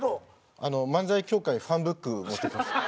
『漫才協会ファンブック』持ってきました。